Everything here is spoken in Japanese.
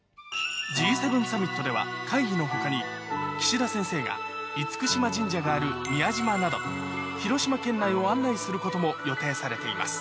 Ｇ７サミットでは会議の他に岸田先生が嚴島神社がある宮島などすることも予定されています